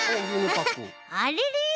あれれ？